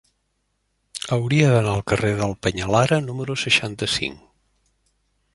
Hauria d'anar al carrer del Peñalara número seixanta-cinc.